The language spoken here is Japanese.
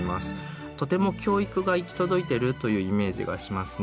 とても教育が行き届いてるというイメージがしますね。